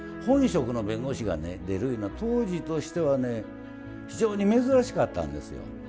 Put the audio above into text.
本職の弁護士がね出るゆうのは当時としてはね非常に珍しかったんですよ。